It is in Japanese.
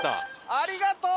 ありがとう！